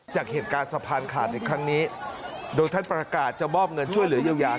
จากเหตุการณ์สะพานขาดในครั้งนี้โดยท่านประกาศจะมอบเงินช่วยเหลือเยียวยา